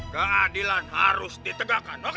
keadilan harus ditegakkan oke